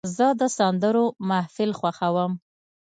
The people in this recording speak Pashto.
زه د سندرو محفل خوښوم.